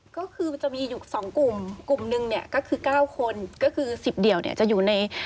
ก็คือมันจะมีอยู่สองกลุ่มกลุ่มหนึ่งเนี่ยก็คือ๙คนก็คือ๑๐เดี่ยวเนี่ยจะอยู่ใน